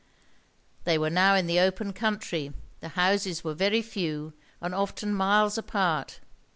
They were now in the open country; the houses were very few, and often miles apart.